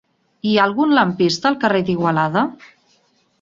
Hi ha algun lampista al carrer d'Igualada?